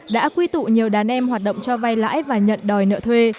đã quy tụ nhiều đàn em hoạt động cho vay lãi và nhận đòi nợ thuê